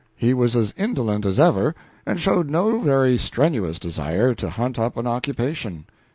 He was as indolent as ever and showed no very strenuous desire to hunt up an occupation.